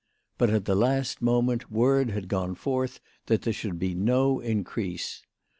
But at the last moment word had gone forth that there should be no increase.